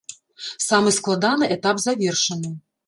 Самы складаны этап завершаны.